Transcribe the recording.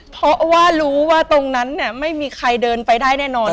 เพราะว่ารู้ว่าตรงนั้นไม่มีใครเดินไปได้แน่นอน